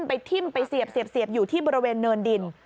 ไปทิ้มไปเสียบอยู่ที่บริเวณเนินดิน